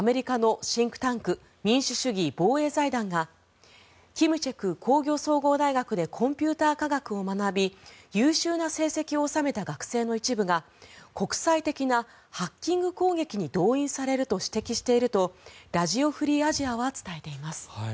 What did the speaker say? しかし、アメリカのシンクタンク民主主義防衛財団が金策工業総合大学でコンピューター科学を学び優秀な成績を収めた学生の一部が国際的なハッキング攻撃に動員されると指摘してるとラジオ・フリー・アジアは伝えています。